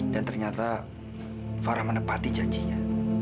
dan ternyata farah menepati janjinya